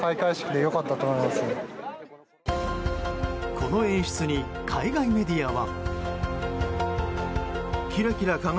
この演出に海外メディアは。